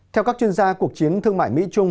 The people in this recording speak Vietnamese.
theo các chuyên gia cuộc chiến thương mại mỹ trung